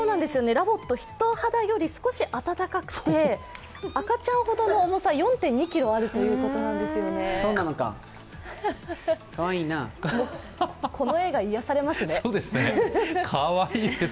ＬＯＶＯＴ人肌より少し暖かくて赤ちゃんほどの重さ、４．２ｋｇあるということなんだそうです。